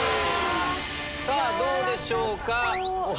さぁどうでしょうか？